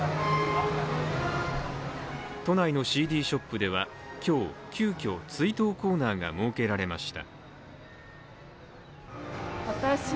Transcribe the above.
都内のＣＤショップでは今日、急きょ追悼コーナーが設けられました。